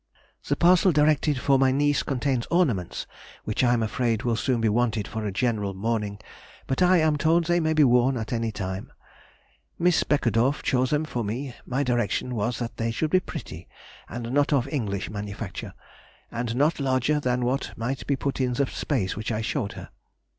The parcel directed for my niece contains ornaments which I am afraid will soon be wanted for a general mourning, but I am told they may be worn at any time. Miss Beckedorff chose them for me; my direction was they should be pretty, and not of English manufacture, and not larger than what might be put in the space which I showed her.